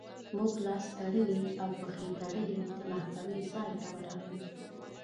موږ لاس تړلي او پښې تړلي د محکمې ځای ته ورغلو.